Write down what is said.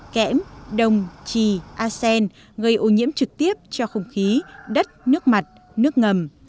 kẽm đồng trì asen gây ô nhiễm trực tiếp cho không khí đất nước mặt nước ngầm